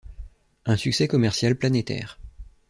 Un succès commercial planétaire.